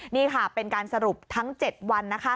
นี่ค่ะเป็นการสรุปทั้ง๗วัน